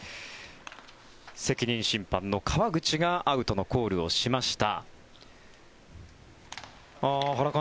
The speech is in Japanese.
責任審判の川口がアウトのコールをしました。